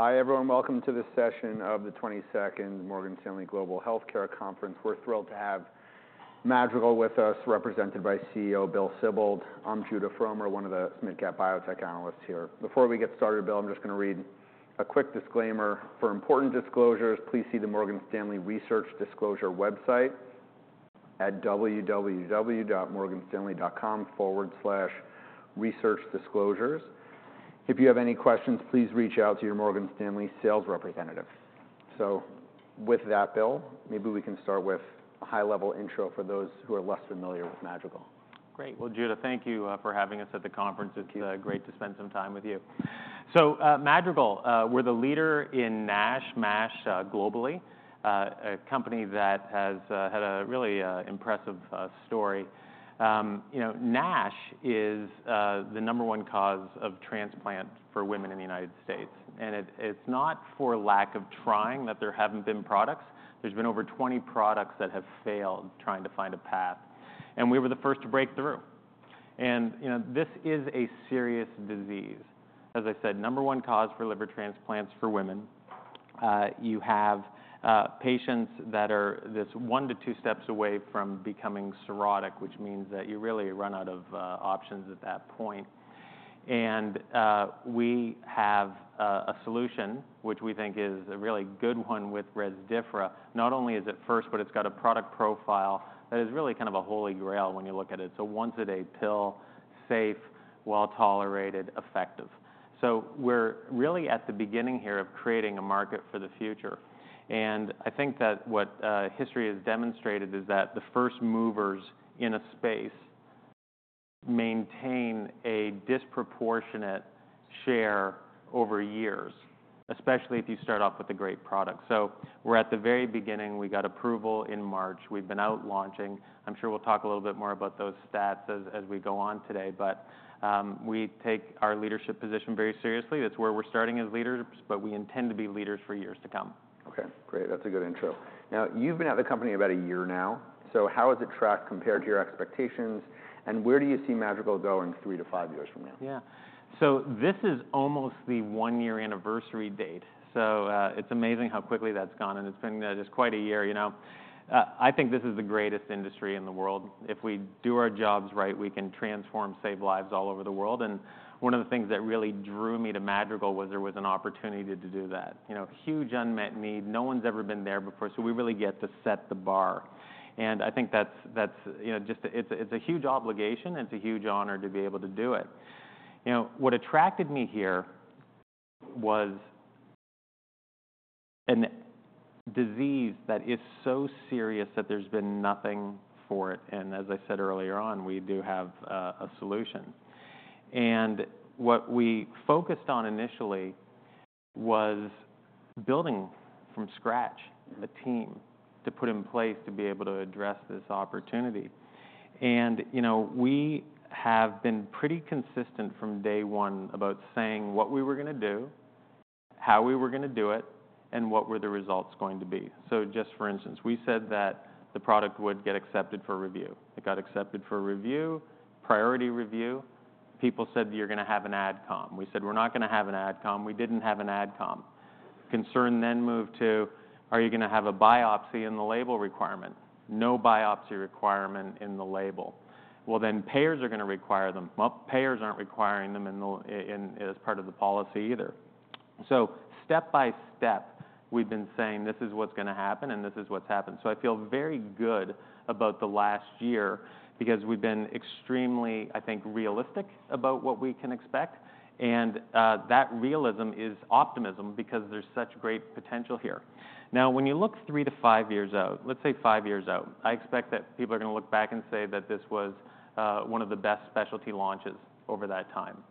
Hi, everyone. Welcome to this session of the 22nd Morgan Stanley Global Healthcare Conference. We're thrilled to have Madrigal with us, represented by CEO Bill Sibold. I'm Judah Frommer, one of the mid-cap biotech analysts here. Before we get started, Bill, I'm just gonna read a quick disclaimer. For important disclosures, please see the Morgan Stanley Research Disclosure website at www.morganstanley.com/researchdisclosures. If you have any questions, please reach out to your Morgan Stanley sales representative. So with that, Bill, maybe we can start with a high-level intro for those who are less familiar with Madrigal. Great! Well, Judah, thank you for having us at the conference. It's great to spend some time with you, so Madrigal, we're the leader in NASH, MASH globally. A company that has had a really impressive story. You know, NASH is the number one cause of transplant for women in the United States, and it's not for lack of trying that there haven't been products. There's been over 20 products that have failed trying to find a path, and we were the first to break through, and you know, this is a serious disease. As I said, number one cause for liver transplants for women. You have patients that are just one to two steps away from becoming cirrhotic, which means that you really run out of options at that point. We have a solution, which we think is a really good one with Rezdiffra. Not only is it first, but it's got a product profile that is really kind of a holy grail when you look at it. It's a once-a-day pill, safe, well-tolerated, effective. We're really at the beginning here of creating a market for the future, and I think that what history has demonstrated is that the first movers in a space maintain a disproportionate share over years, especially if you start off with a great product. We're at the very beginning. We got approval in March. We've been out launching. I'm sure we'll talk a little bit more about those stats as we go on today, but we take our leadership position very seriously. That's where we're starting as leaders, but we intend to be leaders for years to come. Okay, great. That's a good intro. Now, you've been at the company about a year now, so how has it tracked compared to your expectations, and where do you see Madrigal going three to five years from now? Yeah. So this is almost the one-year anniversary date, so, it's amazing how quickly that's gone, and it's been just quite a year. You know, I think this is the greatest industry in the world. If we do our jobs right, we can transform and save lives all over the world, and one of the things that really drew me to Madrigal was there was an opportunity to do that. You know, huge unmet need. No one's ever been there before, so we really get to set the bar. And I think that's. You know, just it's a huge obligation, and it's a huge honor to be able to do it. You know, what attracted me here was a disease that is so serious that there's been nothing for it, and as I said earlier on, we do have a solution. What we focused on initially was building from scratch a team to put in place to be able to address this opportunity. You know, we have been pretty consistent from day one about saying what we were gonna do, how we were gonna do it, and what were the results going to be. Just for instance, we said that the product would get accepted for review. It got accepted for review, priority review. People said, "You're gonna have an AdCom." We said, "We're not gonna have an AdCom." We didn't have an AdCom. Concern then moved to, "Are you gonna have a biopsy in the label requirement?" No biopsy requirement in the label. "Well, then payers are gonna require them." Well, payers aren't requiring them in as part of the policy either. So, step by step, we've been saying, "This is what's gonna happen," and this is what's happened, so I feel very good about the last year because we've been extremely, I think, realistic about what we can expect, and that realism is optimism because there's such great potential here. Now, when you look three to five years out, let's say five years out, I expect that people are gonna look back and say that this was one of the best specialty launches over that time.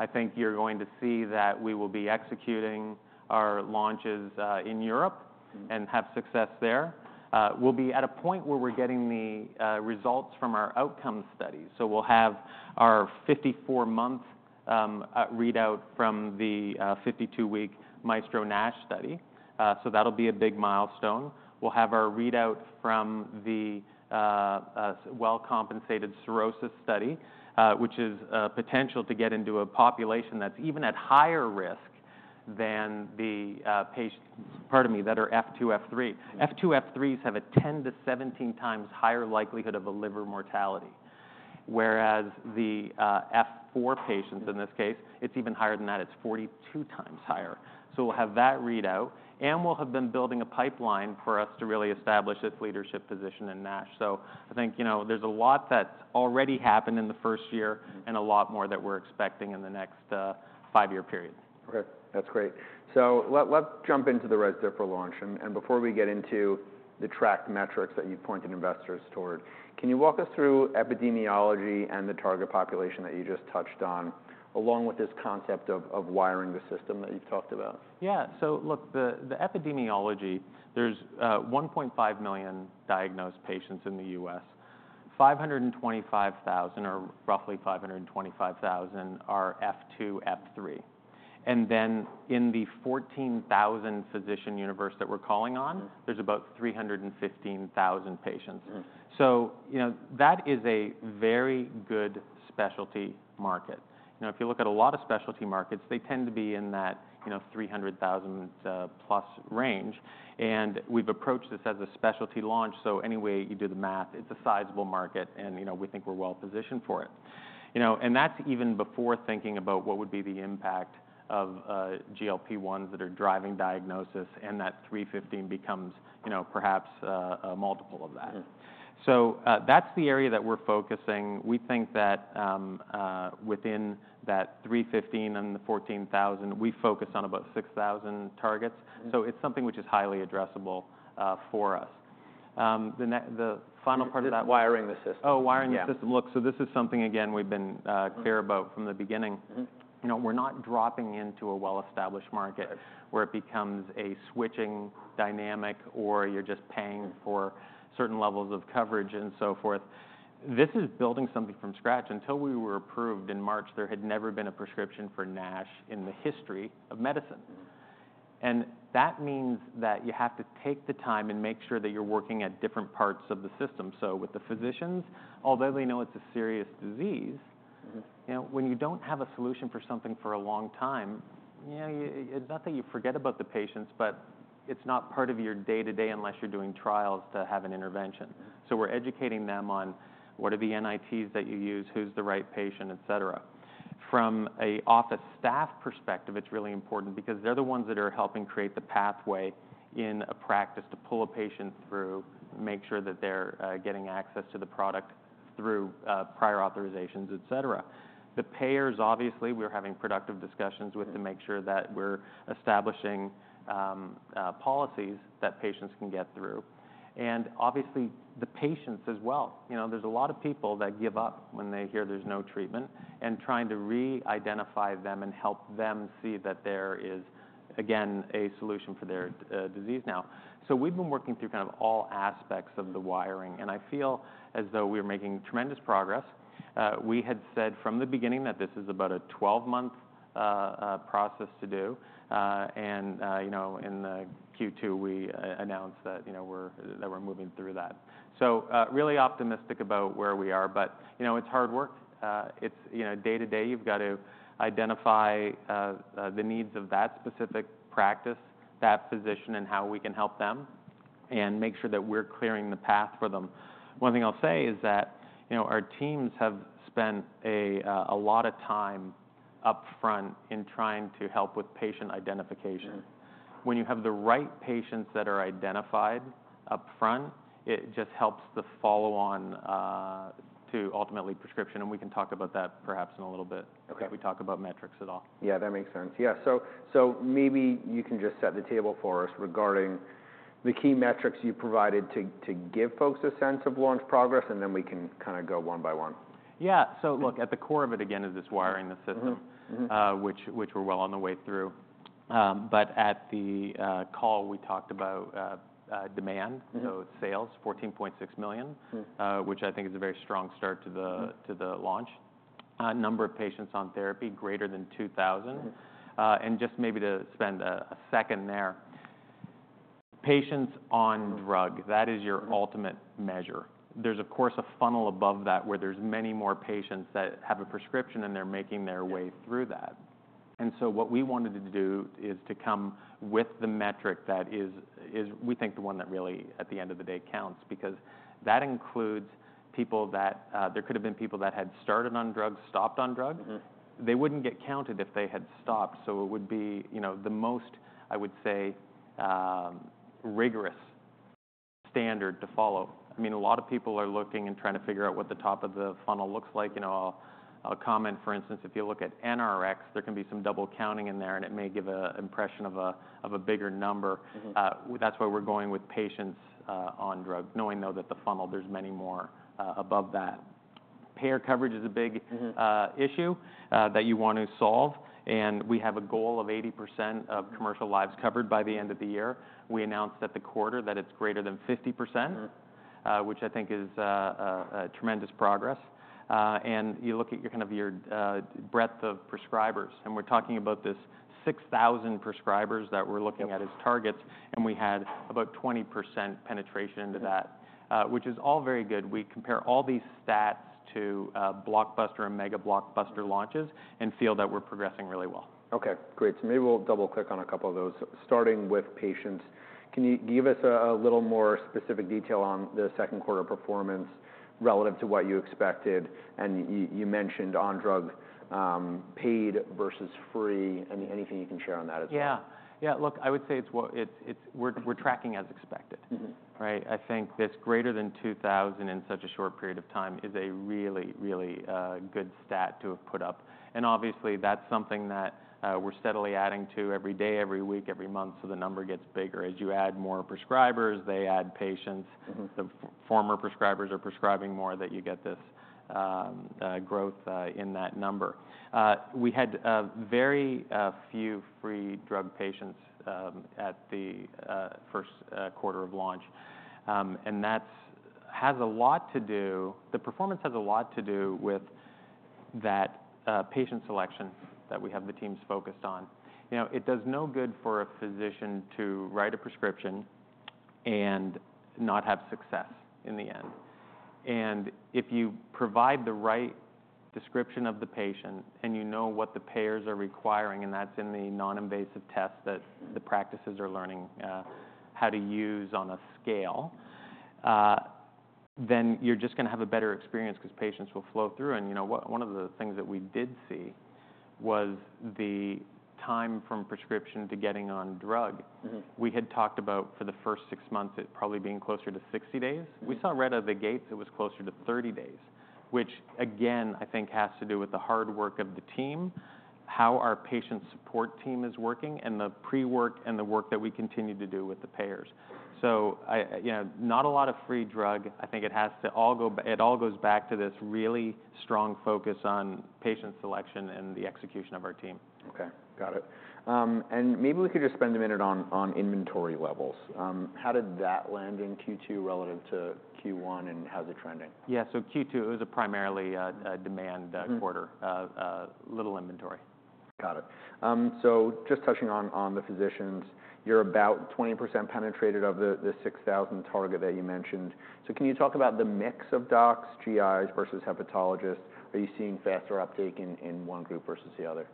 I think you're going to see that we will be executing our launches in Europe and have success there. We'll be at a point where we're getting the results from our outcome studies, so we'll have our 54-month readout from the 52-week MAESTRO-NASH study, so that'll be a big milestone. We'll have our readout from the well-compensated cirrhosis study, which is a potential to get into a population that's even at higher risk than the pardon me, that are F2, F3. F2, F3s have a 10x-17x higher likelihood of a liver mortality, whereas the F4 patients, in this case, it's even higher than that. It's 42x higher. So we'll have that readout, and we'll have been building a pipeline for us to really establish this leadership position in NASH. So I think, you know, there's a lot that's already happened in the first year- Mm-hmm. and a lot more that we're expecting in the next five-year period. Okay, that's great. So let's jump into the Rezdiffra launch, and before we get into the track metrics that you pointed investors toward, can you walk us through epidemiology and the target population that you just touched on, along with this concept of wiring the system that you've talked about? Yeah. So look, the epidemiology, there's 1.5 million diagnosed patients in the U.S. 525,000, or roughly 525,000, are F2, F3. And then in the 14,000 physician universe that we're calling on- Mm-hmm. There's about 315,000 patients. Mm. So, you know, that is a very good specialty market. You know, if you look at a lot of specialty markets, they tend to be in that, you know, 300,000+ range, and we've approached this as a specialty launch, so any way you do the math, it's a sizable market, and, you know, we think we're well-positioned for it. You know, and that's even before thinking about what would be the impact of GLP-1s that are driving diagnosis, and that 315 becomes, you know, perhaps a multiple of that. Mm. So, that's the area that we're focusing. We think that, within that 315 and the 14,000, we focus on about 6,000 targets. Mm. So it's something which is highly addressable for us. The final part of that- It's wiring the system. Oh, wiring the system. Yeah. Look, so this is something, again, we've been clear about from the beginning. Mm-hmm. You know, we're not dropping into a well-established market- Right... where it becomes a switching dynamic or you're just paying for certain levels of coverage and so forth. This is building something from scratch. Until we were approved in March, there had never been a prescription for NASH in the history of medicine. Mm. And that means that you have to take the time and make sure that you're working at different parts of the system. So with the physicians, although they know it's a serious disease- Mm-hmm ... you know, when you don't have a solution for something for a long time, yeah, it's not that you forget about the patients, but it's not part of your day-to-day, unless you're doing trials, to have an intervention. Mm. So we're educating them on what are the NITs that you use, who's the right patient, et cetera. From an office staff perspective, it's really important because they're the ones that are helping create the pathway in a practice to pull a patient through, make sure that they're getting access to the product through prior authorizations, et cetera. The payers, obviously, we're having productive discussions with- Mm... to make sure that we're establishing policies that patients can get through, and obviously, the patients as well. You know, there's a lot of people that give up when they hear there's no treatment, and trying to re-identify them and help them see that there is, again, a solution for their disease now, so we've been working through kind of all aspects of the wiring, and I feel as though we're making tremendous progress. We had said from the beginning that this is about a twelve-month process to do, and you know, in the Q2, we announced that, you know, that we're moving through that, so really optimistic about where we are, but, you know, it's hard work. It's... You know, day-to-day, you've got to identify the needs of that specific practice, that physician, and how we can help them, and make sure that we're clearing the path for them. One thing I'll say is that, you know, our teams have spent a lot of time upfront in trying to help with patient identification. Mm. When you have the right patients that are identified upfront, it just helps the follow-on to ultimately prescription, and we can talk about that perhaps in a little bit. Okay. If we talk about metrics at all. Yeah, that makes sense. Yeah, so maybe you can just set the table for us regarding the key metrics you've provided to give folks a sense of launch progress, and then we can kind of go one by one. Yeah. So look, at the core of it, again, is this wiring the system- Mm-hmm. Mm-hmm... which we're well on the way through. But at the call, we talked about demand- Mm... so sales, $14.6 million- Mm... which I think is a very strong start to the- Mm... to the launch. Number of patients on therapy, greater than 2,000. Mm. And just maybe to spend a second there. Patients on drug- Mm... that is your ultimate measure. There's, of course, a funnel above that, where there's many more patients that have a prescription, and they're making their way through that. Yeah. And so what we wanted to do is to come with the metric that is, we think, the one that really, at the end of the day, counts. Because that includes people that, there could have been people that had started on drug, stopped on drug. Mm-hmm. They wouldn't get counted if they had stopped, so it would be, you know, the most, I would say, rigorous standard to follow. I mean, a lot of people are looking and trying to figure out what the top of the funnel looks like. You know, a comment, for instance, if you look at NRX, there can be some double counting in there, and it may give an impression of a bigger number. Mm-hmm. That's why we're going with patients on drug, knowing, though, that the funnel, there's many more above that. Payer coverage is a big- Mm-hmm... issue that you want to solve, and we have a goal of 80% of commercial lives covered by the end of the year. We announced that the quarter, that it's greater than 50%- Mm... which I think is a tremendous progress. And you look at kind of your breadth of prescribers, and we're talking about this 6,000 prescribers that we're looking at- Yep... as targets, and we had about 20% penetration to that- Mm... which is all very good. We compare all these stats to, blockbuster and mega blockbuster launches and feel that we're progressing really well. Okay, great. So maybe we'll double-click on a couple of those, starting with patients. Can you give us a little more specific detail on the second quarter performance relative to what you expected? And you mentioned on-drug, paid versus free. Anything you can share on that as well? Yeah. Yeah, look, I would say it's. We're tracking as expected. Mm-hmm. Right? I think this greater than 2,000 in such a short period of time is a really, really good stat to have put up. And obviously, that's something that we're steadily adding to every day, every week, every month, so the number gets bigger. As you add more prescribers, they add patients. Mm-hmm. The former prescribers are prescribing more, that you get this growth in that number. We had very few free drug patients at the first quarter of launch. And the performance has a lot to do with that patient selection that we have the teams focused on. You know, it does no good for a physician to write a prescription and not have success in the end. And if you provide the right description of the patient, and you know what the payers are requiring, and that's in the non-invasive test that the practices are learning how to use on a scale, then you're just gonna have a better experience 'cause patients will flow through. You know, one of the things that we did see was the time from prescription to getting on drug. Mm-hmm. We had talked about for the first six months, it probably being closer to 60 days. Mm-hmm. We saw right out of the gates, it was closer to 30 days, which again, I think has to do with the hard work of the team, how our patient support team is working, and the pre-work and the work that we continue to do with the payers. So I, you know, not a lot of free drug. I think it has to all go back to this really strong focus on patient selection and the execution of our team. Okay, got it. And maybe we could just spend a minute on inventory levels. How did that land in Q2 relative to Q1, and how's it trending? Yeah, so Q2, it was a primarily demand- Mm-hmm... quarter, little inventory. Got it. So just touching on the physicians, you're about 20% penetrated of the 6,000 target that you mentioned. So can you talk about the mix of docs, GIs versus hepatologists? Are you seeing faster uptake in one group versus the other?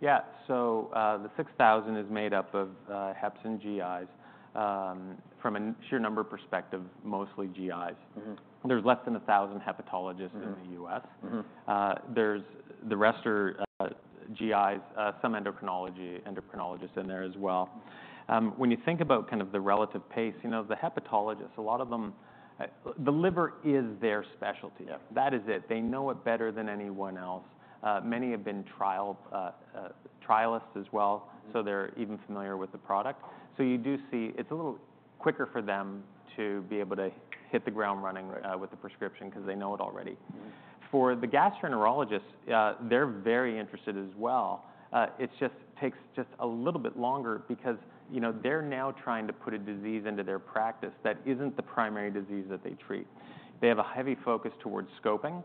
Yeah. The 6,000 is made up of heps and GIs. From a sheer number perspective, mostly GIs. Mm-hmm. There's less than 1,000 hepatologists- Mm-hmm... in the U.S. Mm-hmm. The rest are GIs, some endocrinologists in there as well. When you think about kind of the relative pace, you know, the hepatologists, a lot of them. The liver is their specialty. Yeah. That is it. They know it better than anyone else. Many have been trialists as well- Mm-hmm... so they're even familiar with the product. So you do see it's a little quicker for them to be able to hit the ground running, with the prescription 'cause they know it already. Mm-hmm. For the gastroenterologists, they're very interested as well. It just takes just a little bit longer because, you know, they're now trying to put a disease into their practice that isn't the primary disease that they treat. They have a heavy focus towards scoping,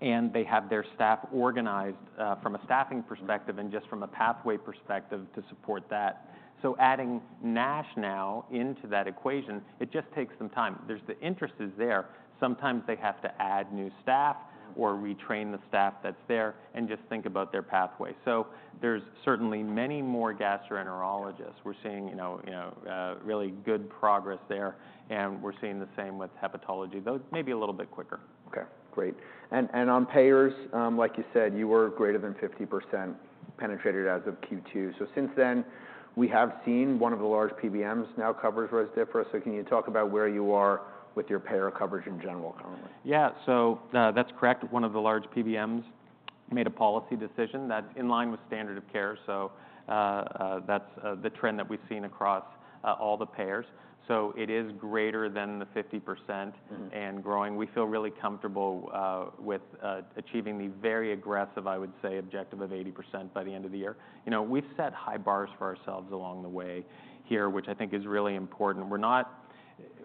and they have their staff organized, from a staffing perspective and just from a pathway perspective to support that. So adding NASH now into that equation, it just takes some time. There's-- the interest is there. Sometimes they have to add new staff- Mm-hmm... or retrain the staff that's there and just think about their pathway. So there's certainly many more gastroenterologists. We're seeing, you know, you know, really good progress there, and we're seeing the same with hepatology, though maybe a little bit quicker. Okay, great. And on payers, like you said, you were greater than 50% penetrated as of Q2. So since then, we have seen one of the large PBMs now covers Rezdiffra. So can you talk about where you are with your payer coverage in general currently? Yeah. So, that's correct. One of the large PBMs made a policy decision that's in line with standard of care, so, that's the trend that we've seen across all the payers. So it is greater than the 50%- Mm-hmm... and growing. We feel really comfortable with achieving the very aggressive, I would say, objective of 80% by the end of the year. You know, we've set high bars for ourselves along the way here, which I think is really important.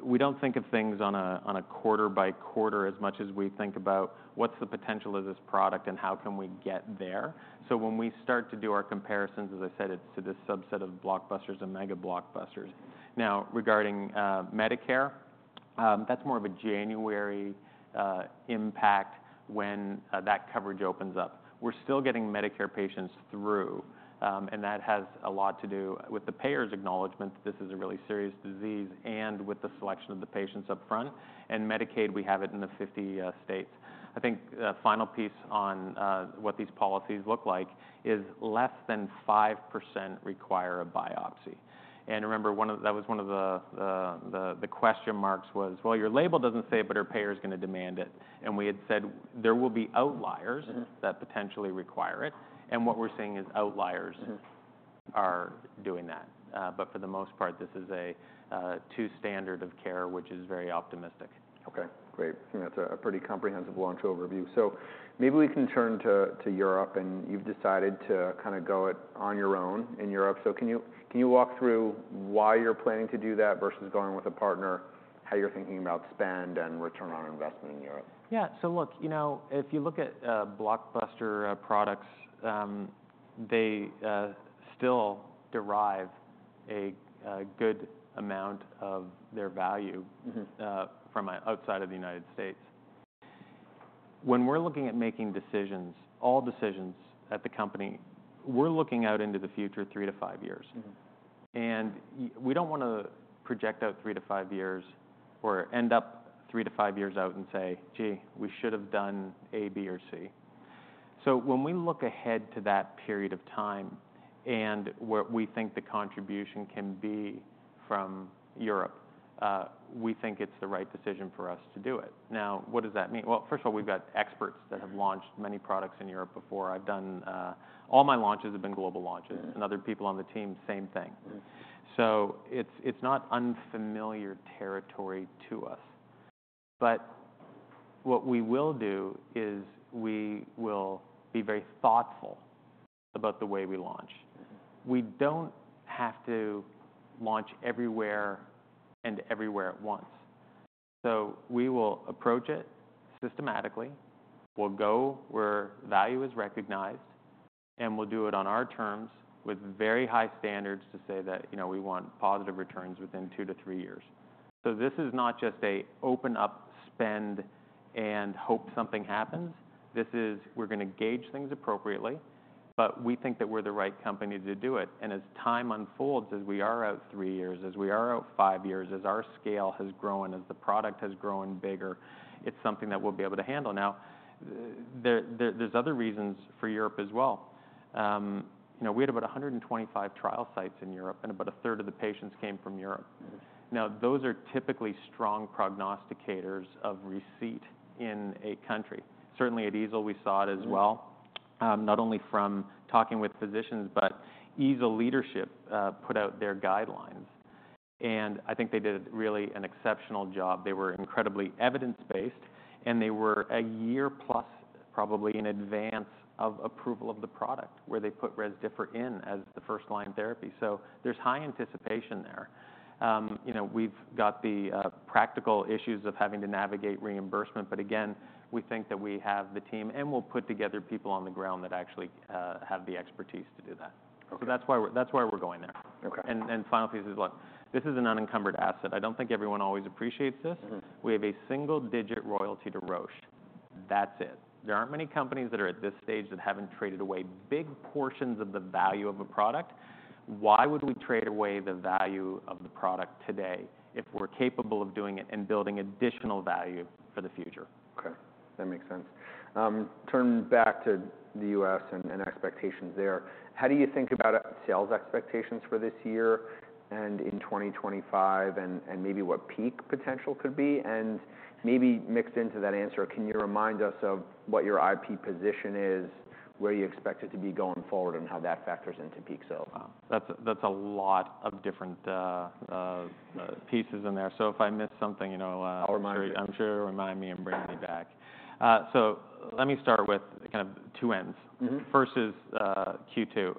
We don't think of things on a quarter by quarter as much as we think about what's the potential of this product and how can we get there. So when we start to do our comparisons, as I said, it's to the subset of blockbusters and mega blockbusters. Now, regarding Medicare, that's more of a January impact when that coverage opens up. We're still getting Medicare patients through, and that has a lot to do with the payers' acknowledgment that this is a really serious disease, and with the selection of the patients upfront. And Medicaid, we have it in the 50 states. I think the final piece on what these policies look like is less than 5% require a biopsy. And remember, one of the question marks was, "Well, your label doesn't say it, but our payer is gonna demand it." And we had said there will be outliers. Mm-hmm... that potentially require it, and what we're seeing is outliers- Mm-hmm... are doing that, but for the most part, this is a two standard of care, which is very optimistic. Okay, great. That's a pretty comprehensive launch overview. So maybe we can turn to Europe, and you've decided to kinda go it on your own in Europe. So can you walk through why you're planning to do that versus going with a partner? How you're thinking about spend and return on investment in Europe? Yeah. So look, you know, if you look at blockbuster products, they still derive a good amount of their value... Mm-hmm... from outside of the United States. When we're looking at making decisions, all decisions at the company, we're looking out into the future three to five years. Mm-hmm. We don't wanna project out three to five years or end up three to five years out and say, "Gee, we should have done A, B, or C." So when we look ahead to that period of time and what we think the contribution can be from Europe, we think it's the right decision for us to do it. Now, what does that mean? Well, first of all, we've got experts that have launched many products in Europe before. I've done. All my launches have been global launches. Mm-hmm. And other people on the team, same thing. Mm-hmm. So it's not unfamiliar territory to us, but what we will do is we will be very thoughtful about the way we launch. Mm-hmm. We don't have to launch everywhere and everywhere at once. So we will approach it systematically, we'll go where value is recognized, and we'll do it on our terms with very high standards to say that, you know, we want positive returns within two to three years. So this is not just an open up spend and hope something happens, this is we're gonna gauge things appropriately, but we think that we're the right company to do it. And as time unfolds, as we are out three years, as we are out five years, as our scale has grown, as the product has grown bigger, it's something that we'll be able to handle. Now, there are other reasons for Europe as well. You know, we had about 100 and 25 trial sites in Europe, and about a third of the patients came from Europe. Mm-hmm. Now, those are typically strong prognosticators of receipt in a country. Certainly, at EASL, we saw it as well. Mm... not only from talking with physicians, but EASL leadership put out their guidelines, and I think they did really an exceptional job. They were incredibly evidence-based, and they were a year plus, probably in advance of approval of the product, where they put Rezdiffra in as the first-line therapy. So there's high anticipation there. You know, we've got the practical issues of having to navigate reimbursement, but again, we think that we have the team, and we'll put together people on the ground that actually have the expertise to do that. Okay. So that's why we're going there. Okay. Final piece is what? This is an unencumbered asset. I don't think everyone always appreciates this. Mm-hmm. We have a single-digit royalty to Roche. That's it. There aren't many companies that are at this stage that haven't traded away big portions of the value of a product. Why would we trade away the value of the product today if we're capable of doing it and building additional value for the future? Okay, that makes sense. Turning back to the U.S. and expectations there, how do you think about sales expectations for this year and in 2025, and maybe what peak potential could be, and maybe mixed into that answer, can you remind us of what your IP position is, where you expect it to be going forward, and how that factors into peak sales? Wow, that's a lot of different, Mm... pieces in there. So if I miss something, you know, I'll remind you. I'm sure you'll remind me and bring me back. Yeah. So, let me start with kind of two ends. Mm-hmm. First is Q2.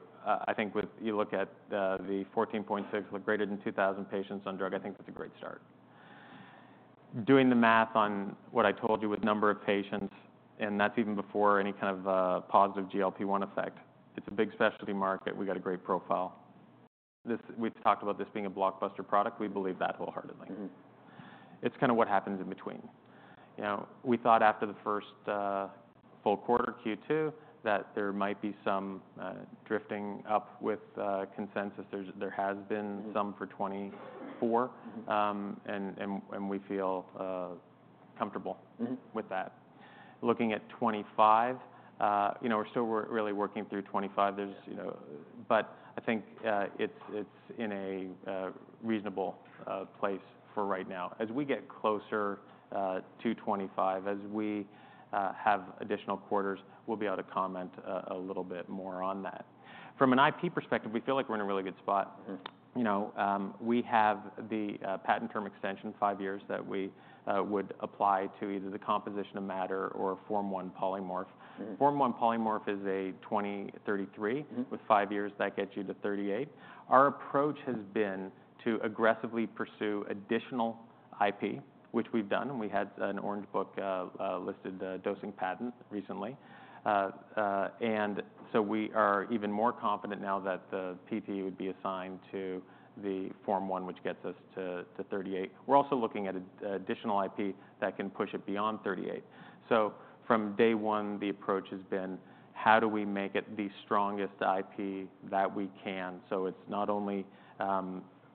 I think when you look at the 14.6 with greater than 2,000 patients on drug, I think that's a great start. Doing the math on what I told you with number of patients, and that's even before any kind of positive GLP-1 effect. It's a big specialty market. We've got a great profile. This, we've talked about this being a blockbuster product. We believe that wholeheartedly. Mm-hmm. It's kinda what happens in between. You know, we thought after the first full quarter, Q2, that there might be some drifting up with consensus. There has been- Mm... some for 24- Mm... and we feel comfortable- Mm-hmm... with that. Looking at 2025, you know, we're still really working through 2025. There's, you know. But I think it's in a reasonable place for right now. As we get closer to 2025, as we have additional quarters, we'll be able to comment a little bit more on that. From an IP perspective, we feel like we're in a really good spot. Mm. You know, we have the patent term extension, five years, that we would apply to either the composition of matter or Form I polymorph. Mm. Form I polymorph is a 2033. Mm-hmm. With five years, that gets you to 38. Our approach has been to aggressively pursue additional IP, which we've done, and we had an Orange Book listed dosing patent recently. And so we are even more confident now that the PT would be assigned to the Form I, which gets us to thirty-eight. We're also looking at additional IP that can push it beyond 38. So from day one, the approach has been: how do we make it the strongest IP that we can? So it's not only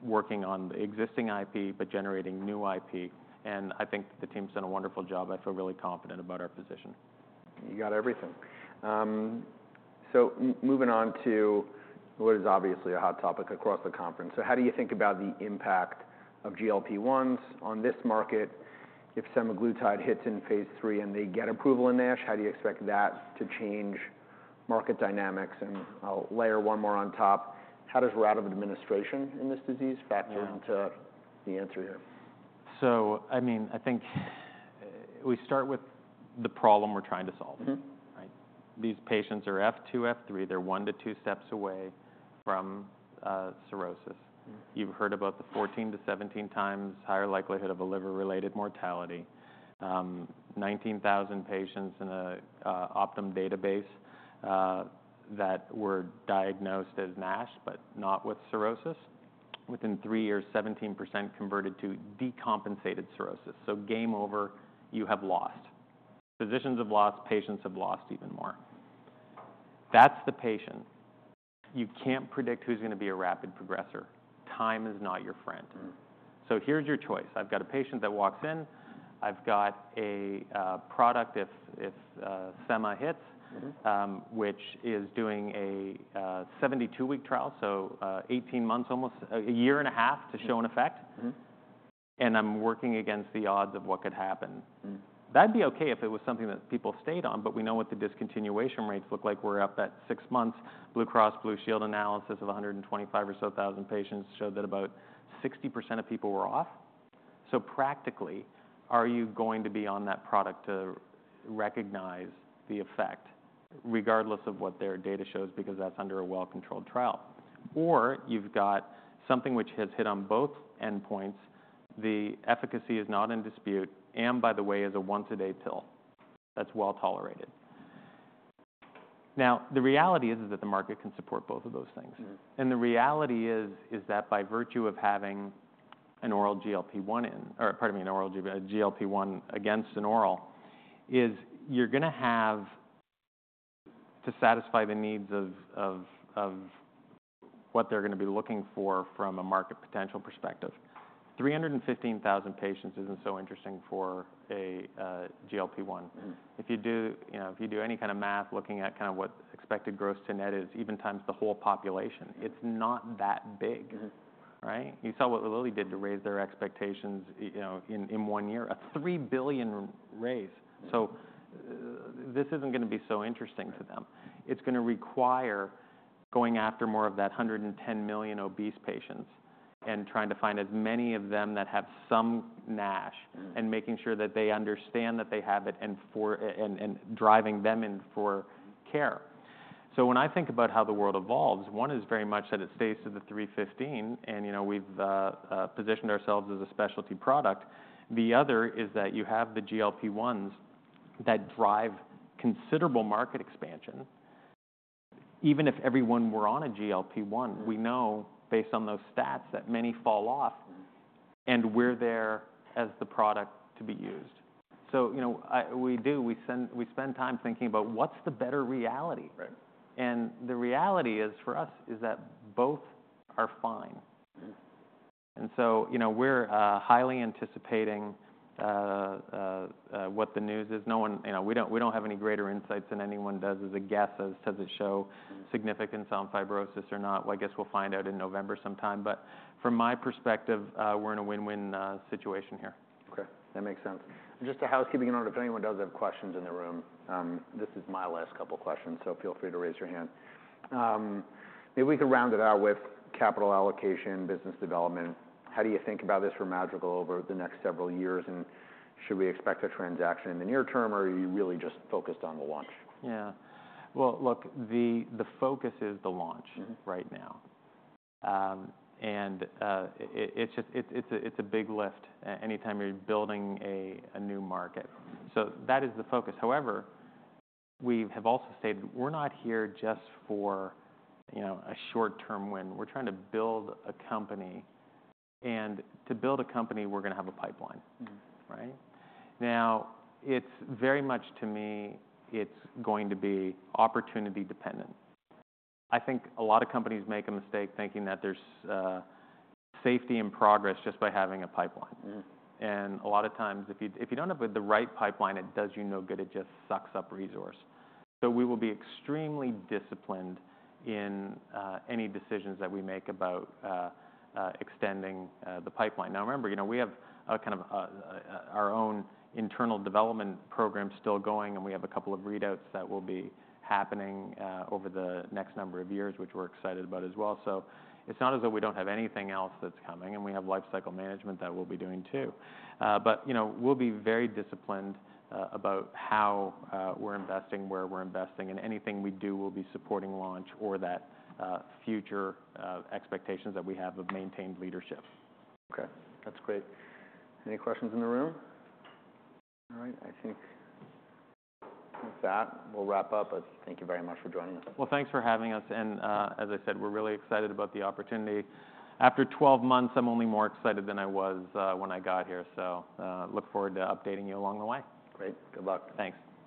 working on the existing IP, but generating new IP, and I think the team's done a wonderful job. I feel really confident about our position. You got everything. Moving on to what is obviously a hot topic across the conference. So how do you think about the impact of GLP-1s on this market? If semaglutide hits in Phase 3 and they get approval in NASH, how do you expect that to change market dynamics? And I'll layer one more on top: How does route of administration in this disease factor into- Yeah... the answer here? I mean, I think we start with the problem we're trying to solve. Mm-hmm. Right? These patients are F2, F3, they're one to two steps away from cirrhosis. Mm. You've heard about the 14x-17x higher likelihood of a liver-related mortality 19,000 patients in an Optum database that were diagnosed as NASH, but not with cirrhosis, within three years, 17% converted to decompensated cirrhosis. So game over, you have lost. Physicians have lost, patients have lost even more. That's the patient. You can't predict who's gonna be a rapid progressor. Time is not your friend. Mm. So here's your choice: I've got a patient that walks in, I've got a product, if semi hits- Mm-hmm... which is doing a 72-week trial, so 18 months, almost a year and a half to show an effect. Mm-hmm. I'm working against the odds of what could happen. Mm. That'd be okay if it was something that people stayed on, but we know what the discontinuation rates look like. We're up at six months. Blue Cross Blue Shield analysis of 125 or so thousand patients showed that about 60% of people were off. So practically, are you going to be on that product to recognize the effect, regardless of what their data shows, because that's under a well-controlled trial? Or you've got something which has hit on both endpoints, the efficacy is not in dispute, and by the way, is a once-a-day pill that's well-tolerated. Now, the reality is that the market can support both of those things. Mm-hmm. The reality is that by virtue of having an oral GLP-1, or pardon me, an oral GLP-1 against an oral, you're gonna have to satisfy the needs of what they're gonna be looking for from a market potential perspective. Three hundred and fifteen thousand patients isn't so interesting for a GLP-1. Mm. If you do, you know, if you do any kind of math, looking at kinda what expected gross to net is, even times the whole population, it's not that big. Mm-hmm. Right? You saw what Lilly did to raise their expectations, you know, in one year, a $3 billion raise. Mm. So this isn't gonna be so interesting to them. Right. It's gonna require going after more of that hundred and ten million obese patients, and trying to find as many of them that have some NASH. Mm... and making sure that they understand that they have it, and for and driving them in for care. So when I think about how the world evolves, one is very much that it stays to the three fifteen, and, you know, we've positioned ourselves as a specialty product. The other is that you have the GLP-1s that drive considerable market expansion. Even if everyone were on a GLP-1- Mm We know, based on those stats, that many fall off. Mm-hmm. We're there as the product to be used. You know, we spend time thinking about what's the better reality? Right. The reality is, for us, is that both are fine. Mm-hmm. And so, you know, we're highly anticipating what the news is. No one, you know, we don't have any greater insights than anyone does as a guess as to does it show- Mm significance on fibrosis or not. I guess we'll find out in November sometime, but from my perspective, we're in a win-win situation here. Okay, that makes sense. Just a housekeeping note, if anyone does have questions in the room, this is my last couple questions, so feel free to raise your hand. Maybe we could round it out with capital allocation, business development. How do you think about this for Madrigal over the next several years? And should we expect a transaction in the near term, or are you really just focused on the launch? Yeah. Well, look, the focus is the launch- Mm Right now, it's just a big lift anytime you're building a new market, so that is the focus. However, we have also stated we're not here just for, you know, a short-term win. We're trying to build a company, and to build a company, we're gonna have a pipeline. Mm-hmm. Right? Now, it's very much to me, it's going to be opportunity dependent. I think a lot of companies make a mistake, thinking that there's safety in progress just by having a pipeline. Mm. And a lot of times, if you don't have the right pipeline, it does you no good. It just sucks up resource. So we will be extremely disciplined in any decisions that we make about extending the pipeline. Now, remember, you know, we have a kind of our own internal development program still going, and we have a couple of readouts that will be happening over the next number of years, which we're excited about as well. So it's not as though we don't have anything else that's coming, and we have lifecycle management that we'll be doing, too. But, you know, we'll be very disciplined about how we're investing, where we're investing, and anything we do will be supporting launch or that future expectations that we have of maintained leadership. Okay, that's great. Any questions in the room? All right, I think with that, we'll wrap up, but thank you very much for joining us. Thanks for having us, and, as I said, we're really excited about the opportunity. After 12 months, I'm only more excited than I was, when I got here, so, look forward to updating you along the way. Great. Good luck. Thanks.